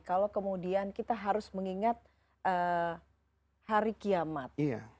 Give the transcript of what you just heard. kalau kemudian kita harus mengingat hari kiamat